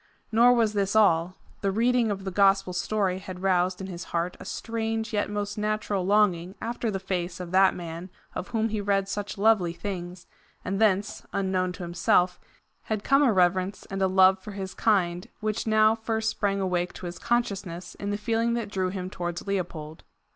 Nor was this all; the reading of the gospel story had roused in his heart a strange yet most natural longing after the face of that man of whom he read such lovely things, and thence, unknown to himself, had come a reverence and a love for his kind, which now first sprang awake to his consciousness in the feeling that drew him towards Leopold.